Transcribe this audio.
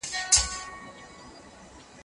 تاسو بايد د هر کتاب لوستلو ته چمتو اوسئ.